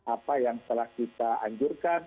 apa yang telah kita anjurkan